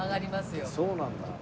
そうなんだ。